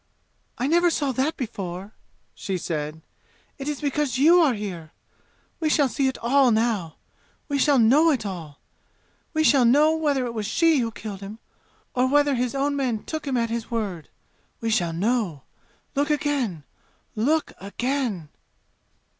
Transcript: "I never saw that before," she said. "It is because you are here! We shall see it all now! We shall know it all! We shall know whether it was she who killed him, or whether his own men took him at his word. We shall know! Look again! Look again!"